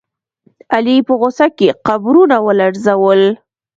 علي په غوسه کې قبرونه ولړزول.